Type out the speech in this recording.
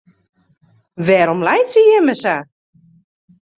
Wêrom laitsje jimme sa?